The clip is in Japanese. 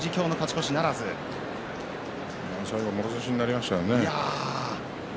もろ差しになりましたね。